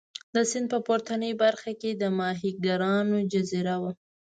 د سیند په پورتنۍ برخه کې د ماهیګیرانو جزیره وه.